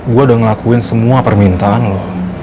gue udah ngelakuin semua permintaan loh